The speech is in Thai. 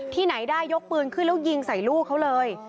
ที่ไหนได้ยกปืนขึ้นแล้วยิงใส่ลูกเขาเลย